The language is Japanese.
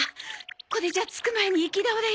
これじゃ着く前に行き倒れよ。